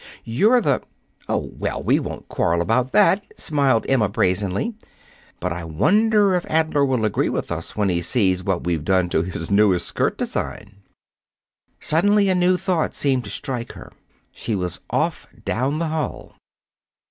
You're the " "Oh, well, we won't quarrel about that," smiled Emma brazenly. "But I wonder if Adler will agree with us when he sees what we've done to his newest skirt design." Suddenly a new thought seemed to strike her. She was off down the hall.